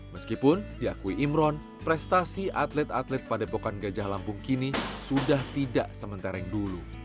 meskipun diakui imron prestasi atlet atlet padepokan gajah lampung kini sudah tidak sementara yang dulu